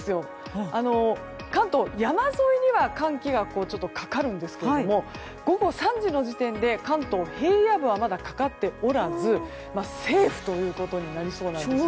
関東山沿いには寒気がかかるんですが午後３時の時点で関東平野部はまだかかっておらずセーフということになりそうなんですね。